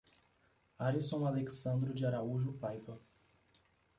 Arison Alexandro de Araújo Paiva